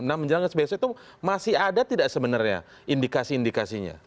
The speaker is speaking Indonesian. nah menjelang sbe itu masih ada tidak sebenarnya indikasi indikasinya